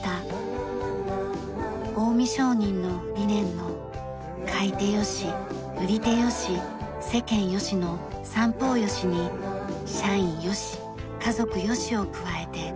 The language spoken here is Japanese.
近江商人の理念の「買い手よし売り手よし世間よし」の三方よしに「社員よし家族よし」を加えて五方よし。